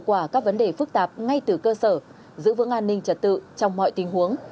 quả các vấn đề phức tạp ngay từ cơ sở giữ vững an ninh trật tự trong mọi tình huống